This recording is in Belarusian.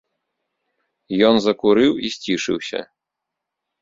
Ён закурыў і сцішыўся.